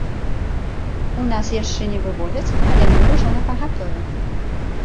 У нас яшчэ не вывозяць, але мы ўжо напагатове.